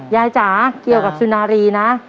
จ๋าเกี่ยวกับสุนารีนะ